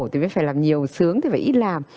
thì phải làm nhiều sướng thì phải ít làm